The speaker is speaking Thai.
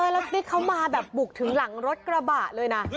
แล้วติ๊กเขามาแบบบุกถึงหลังรถกระบะเลยนะ